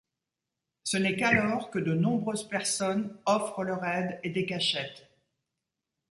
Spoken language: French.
Ce n'est qu'alors que de nombreuses personnes offrent leur aide et des cachettes.